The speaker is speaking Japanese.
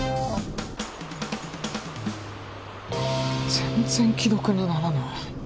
全然既読にならない。